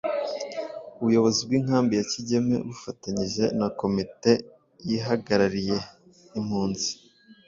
ubuyobozi bw’inkambi ya Kigeme bufatanyije na komite ihagarariye impunzi